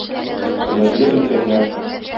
Хөрмәтле өлкәннәр!